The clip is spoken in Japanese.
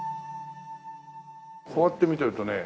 こうやって見てるとね